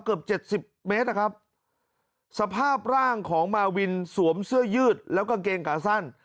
เกือบเจ็ดสิบเมตรนะครับสภาพร่างของมาวินสวมเสื้อยืดแล้วกางเกงขาสั้น